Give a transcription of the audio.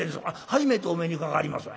初めてお目にかかります。